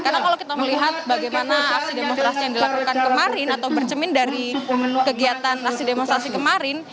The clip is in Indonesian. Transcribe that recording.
karena kalau kita melihat bagaimana aksi demonstrasi yang dilakukan kemarin atau bercemin dari kegiatan aksi demonstrasi kemarin